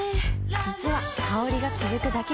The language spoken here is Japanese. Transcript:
実は香りが続くだけじゃない